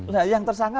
nah yang tersangka